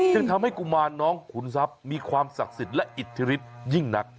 จึงทำให้กุมารน้องขุนทรัพย์มีความศักดิ์สิทธิ์และอิทธิฤทธิยิ่งนัก